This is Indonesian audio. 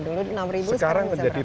dulu enam ribu sekarang bisa berapa